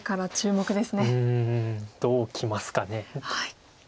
うんどうきますかね。